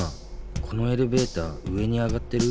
このエレベーター上に上がってる？